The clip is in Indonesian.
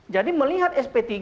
jadi melihat sp tiga